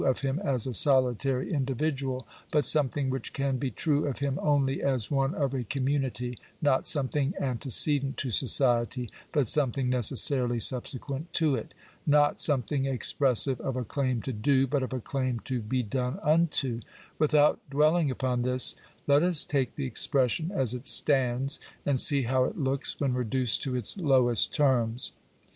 of him as a solitary individual, but something which can be true of him only as one of a community — not something ante cedent to society, but something necessarily subsequent to it — not something expressive of a claim to do, but of a claim to be done unto — without dwelling upon this, let us take the ex pression as it stands, and see how it looks when reduced to its lowest terms.